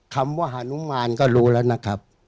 คำว่าฮานุมานก็รู้แล้วนะครับ